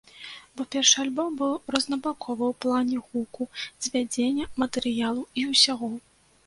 Бо першы альбом быў рознабаковы ў плане гуку, звядзення, матэрыялу і ўсяго.